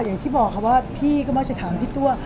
อย่างที่บอกค่ะว่าพี่ก็มักจะถามพี่ตัว